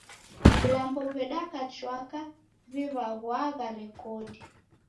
Vilambo vedaka chwaka viw'angwagha rekodi.